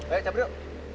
ayo cabut yuk